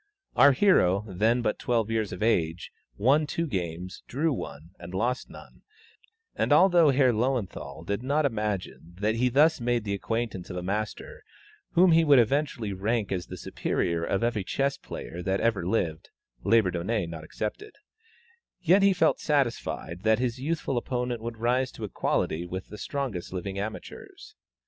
Our hero, then but twelve years of age, won two games, drew one, and lost none; and although Herr Löwenthal did not imagine that he thus made the acquaintance of a master whom he would eventually rank as the superior of every chess player that ever lived Labourdonnais not excepted yet he felt satisfied that his youthful opponent would rise to equality with the strongest living amateurs.